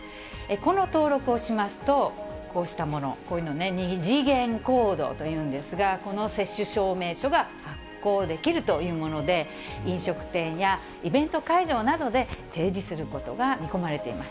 この登録をしますと、こうしたもの、こういうのね、二次元コードというんですが、この接種証明書が発行できるというもので、飲食店やイベント会場などで提示することが見込まれています。